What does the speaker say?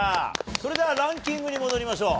それではランキングに戻りましょう。